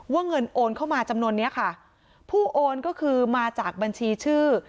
เงินโอนเข้ามาจำนวนนี้ค่ะผู้โอนก็คือมาจากบัญชีชื่อ